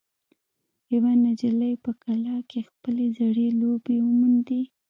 یوه نجلۍ په کلا کې خپلې زړې لوبې وموندې.